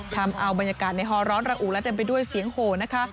ทำเอาบรรยากาศในฮอร้อนระอุและเต็มไปด้วยเสียงโหนะคะ